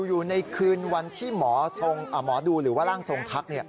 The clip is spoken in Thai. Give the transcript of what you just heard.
อยู่ในคืนวันที่หมอดูหรือว่าร่างทรงทัก